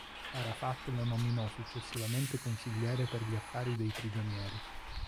Arafat lo nominò successivamente consigliere per gli affari dei prigionieri.